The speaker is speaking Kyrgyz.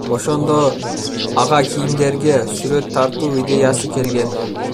Ошондо ага кийимдерге сүрөт тартуу идеясы келген.